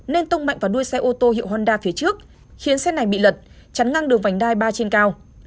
nên tông mạnh vào đuôi xe ô tô hiệu honda phía trước khiến xe này bị lật chắn ngăn đường vành đai ba trên cao